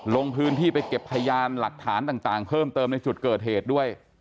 ลงพื้นที่ไปเก็บพยานหลักฐานต่างเพิ่มเติมในจุดเกิดเหตุด้วย